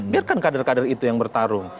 biarkan kader kader itu yang bertarung